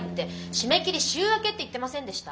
締め切り週明けって言ってませんでした？